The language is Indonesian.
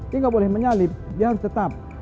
dia nggak boleh menyalip dia harus tetap